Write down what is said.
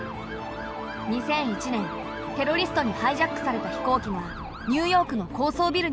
２００１年テロリストにハイジャックされた飛行機がニューヨークの高層ビルに突入。